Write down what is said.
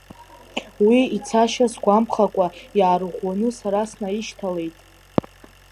Уи ицашьа сгәамԥхакәа иаарыӷәӷәаны саргьы снаишьҭалеит.